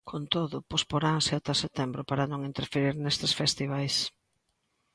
Con todo, posporanse ata setembro para non interferir nestes festivais.